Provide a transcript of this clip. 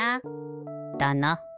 だな。